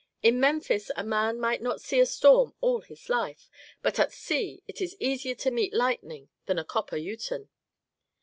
In Memphis a man might not see a storm all his life, but at sea it is easier to meet lightning than a copper uten.